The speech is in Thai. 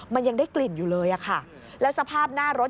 มันยังได้กลิ่นอยู่เลยอะค่ะแล้วสภาพหน้ารถ